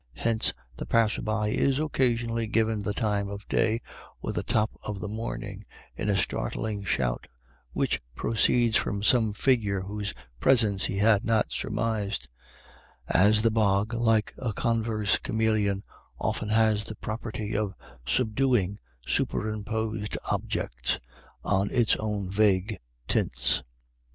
Hence the passer by is occasionally given the time of day, or the top of the morning, in a startling shout, which proceeds from some figure whose presence he had not surmised ; as the bog, like a converse chameleon, often has the property of subduing superimposed objects to its own vague tints.